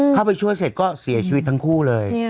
เข้าไปช่วยเสร็จก็เสียชีวิตทั้งคู่เลย